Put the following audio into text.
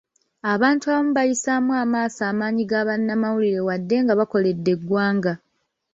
Abantu abamu bayisaamu amaaso amaanyi ga bannamawulire wadde nga bakoledde eggwanga.